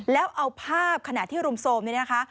แล้วเอาภาพขณะที่รุมโทรมเนี่ยนะคะ